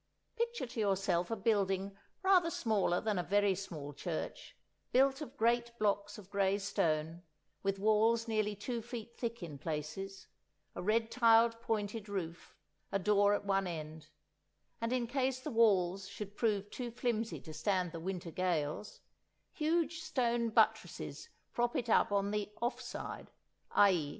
Picture to yourself a building rather smaller than a very small church, built of great blocks of grey stone, with walls nearly two feet thick in places, a red tiled pointed roof, a door at one end; and in case the walls should prove too flimsy to stand the winter gales, huge stone buttresses prop it up on the "off" side (i.e.